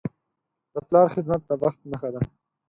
د پلار خدمت د بخت نښه ده.